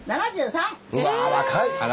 うわ若い。